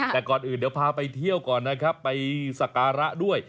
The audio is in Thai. แต่ก่อนอื่นเดี๋ยวพาไปเที่ยวก่อนนะครับไปสักการะด้วย